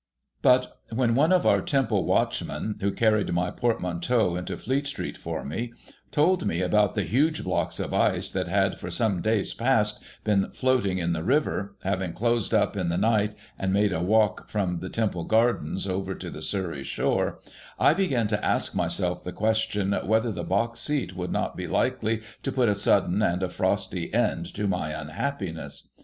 But when one of our Temple watchmen, who carried my portmanteau into Fleet street for me, told me about the huge blocks of ice that had for some days past been floating in the river, having closed up in the night, and made a walk from the STARTING ON A JOURNEY 89 Temple Gardens over to the Surrey shore, I began to ask myself the question, whether the box seat would not be likely to put a sudden and a frosty end to my unhappiness.